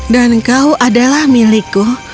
dan kau adalah milikku